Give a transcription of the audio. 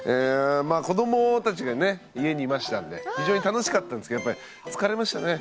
まあ子どもたちがね家にいましたんで非常に楽しかったんですけどやっぱり疲れましたね